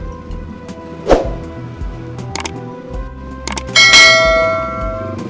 aku sama yayat